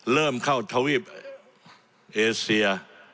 เริ่มเข้าทวีปเอเซีย